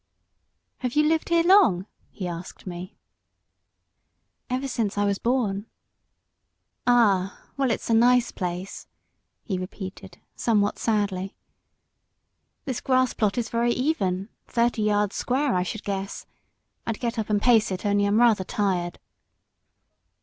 "Have you lived here long?" he asked me. "Ever since I was born." "Ah! well, it's a nice place," he repeated, somewhat sadly. "This grass plot is very even thirty yards square, I should guess. I'd get up and pace it; only I'm rather tired."